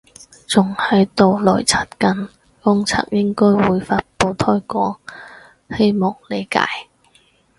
仲喺度內測緊，公測應該會發佈推廣，希望理解